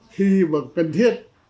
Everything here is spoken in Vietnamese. khi mà cần thiết